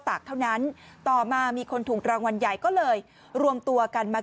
ตากเท่านั้นต่อมามีคนถูกรางวัลใหญ่ก็เลยรวมตัวกันมา